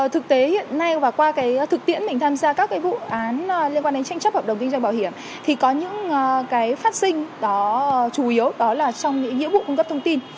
thực tế hiện nay và qua thực tiễn mình tham gia các cái vụ án liên quan đến tranh chấp hợp đồng kinh doanh bảo hiểm thì có những cái phát sinh đó chủ yếu đó là trong những nghĩa vụ cung cấp thông tin